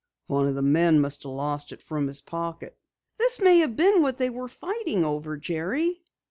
"One of the men must have lost it from his pocket." "This may have been what they were fighting over, Jerry!"